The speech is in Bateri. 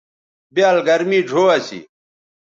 بیال گرمی ڙھو اسی